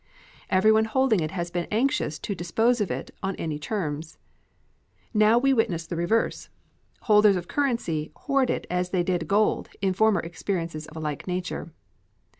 Everyone holding it has been anxious to dispose of it on any terms. Now we witness the reverse. Holders of currency hoard it as they did gold in former experiences of a like nature.